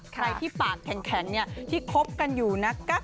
ใครที่ปากแข็งที่คบกันอยู่นะคะ